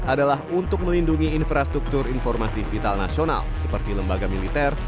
adalah untuk melindungi infrastruktur informasi vital nasional seperti lembaga militer